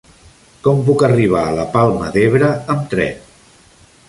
Com puc arribar a la Palma d'Ebre amb tren?